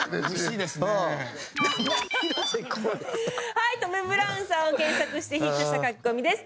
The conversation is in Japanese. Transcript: はいトム・ブラウンさんを検索してヒットしたカキコミです。